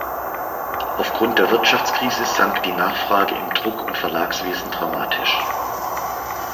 Aufgrund der Wirtschaftskrise sank die Nachfrage im Druck- und Verlagswesen dramatisch.